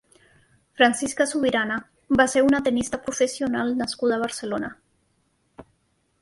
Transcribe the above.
Francisca Subirana va ser una tennista professional nascuda a Barcelona.